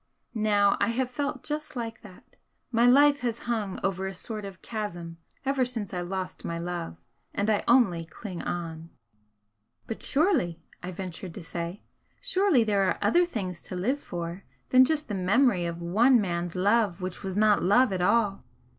Now I have felt just like that, my life has hung over a sort of chasm ever since I lost my love, and I only cling on." "But surely," I ventured to say "surely there are other things to live for than just the memory of one man's love which was not love at all!